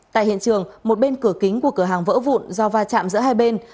tại hiện trường một bên cửa kính của cửa hàng vỡ vụn do va chạm giữa hai bên